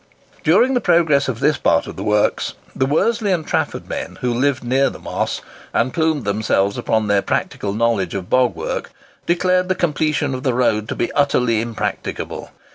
During the progress of this part of the works, the Worsley and Trafford men, who lived near the Moss, and plumed themselves upon their practical knowledge of bog work, declared the completion of the road to be utterly impracticable.